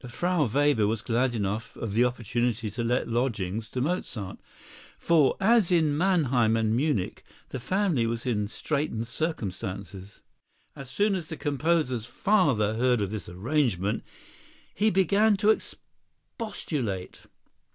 Frau Weber was glad enough of the opportunity to let lodgings to Mozart, for, as in Mannheim and Munich, the family was in straitened circumstances. As soon as the composer's father heard of this arrangement, he began to expostulate.